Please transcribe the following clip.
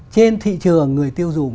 trên thị trường người tiêu dùng